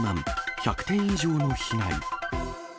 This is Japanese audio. １００点以上の被害。